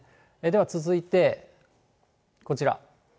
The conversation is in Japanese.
では続いて、こちら。